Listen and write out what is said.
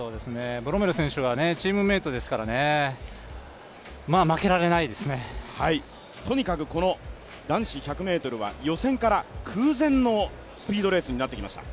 ブロメル選手はチームメートですからね、とにかくこの男子１００ｍは予選から空前のスピードレースになってきました。